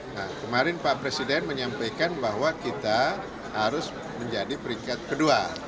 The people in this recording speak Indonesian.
nah kemarin pak presiden menyampaikan bahwa kita harus menjadi peringkat kedua